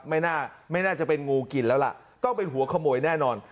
ไม่น่าจะเป็นงูกินแล้วล่ะต้องเป็นหัวขโมยแน่นอน